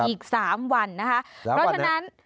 อีก๓วันนะ